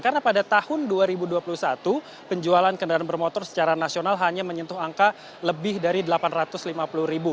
karena pada tahun dua ribu dua puluh satu penjualan kendaraan bermotor secara nasional hanya menyentuh angka lebih dari delapan ratus lima puluh ribu